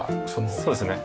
そうですね。